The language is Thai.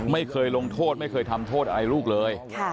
ไม่เคยลงโทษไม่เคยทำโทษอะไรลูกเลย